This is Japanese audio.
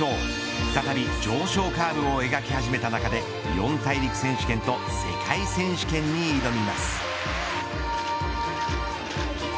再び上昇カーブを描き始めた中で四大陸選手権と世界選手権に挑みます。